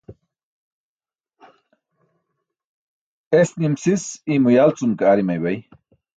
Es nim sis iymo yal cum ke ar imaybay.